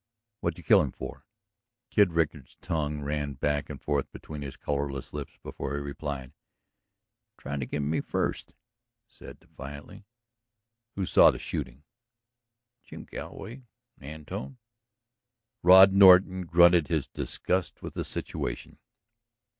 "What did you kill him for?" Kid Rickard's tongue ran back and forth between his colorless lips before he replied. "He tried to get me first," he said defiantly. "Who saw the shooting?" "Jim Galloway. And Antone." Rod Norton grunted his disgust with the situation.